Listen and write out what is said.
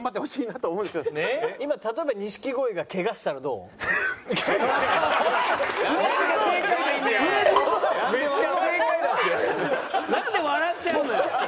なんで笑っちゃうのよ。